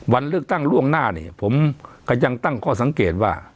วันเลือกตั้งล่วงหน้าเนี่ยผมก็ยังตั้งข้อสังเกตว่า